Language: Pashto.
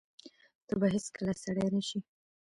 ته به هیڅکله سړی نه شې !